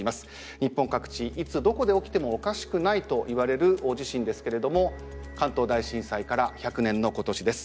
日本各地いつどこで起きてもおかしくないといわれる大地震ですけれども関東大震災から１００年の今年です。